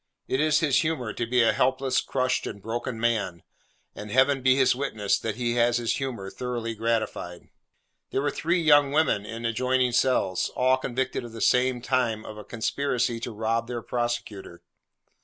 It is his humour to be a helpless, crushed, and broken man. And, Heaven be his witness that he has his humour thoroughly gratified! There were three young women in adjoining cells, all convicted at the same time of a conspiracy to rob their prosecutor.